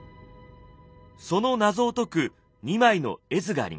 その謎を解く２枚の絵図があります。